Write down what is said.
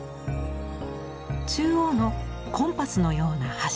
中央のコンパスのような柱。